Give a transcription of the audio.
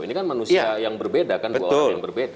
ini kan manusia yang berbeda kan dua orang yang berbeda